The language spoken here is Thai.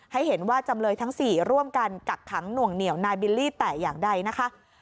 ให้เห็นว่าจำเลยทั้ง๔ร่วมกันกักขังหน่วงเหนียวนายบิลลี่แต่อย่างใดนะคะ